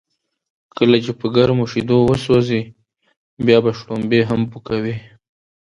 کله چې په گرمو شیدو و سوځې، بیا به شړومبی هم پو کوې.